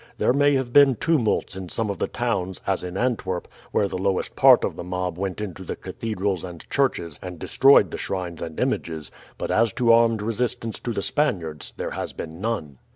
There may have been tumults in some of the towns, as in Antwerp, where the lowest part of the mob went into the cathedrals and churches and destroyed the shrines and images; but as to armed resistance to the Spaniards, there has been none.